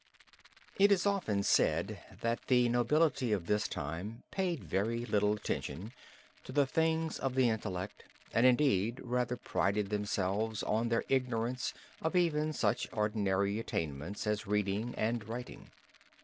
It is often said that the nobility at this time, paid very little attention to the things of the intellect and indeed rather prided themselves on their ignorance of even such ordinary attainments as reading and writing.